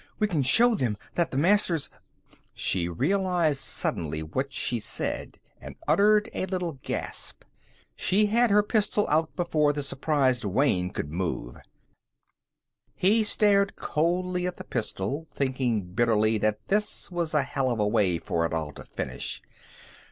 We can show them that the Masters " She realized suddenly what she said and uttered a little gasp. She had her pistol out before the surprised Wayne could move. He stared coldly at the pistol, thinking bitterly that this was a hell of a way for it all to finish.